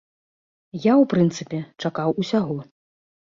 Я, у прынцыпе, чакаў усяго.